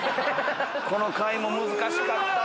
この回も難しかったわ。